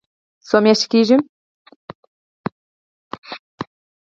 څو میاشتې کیږي؟